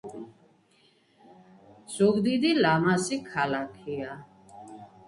ზუგდიდი ლამაზი ქალაქია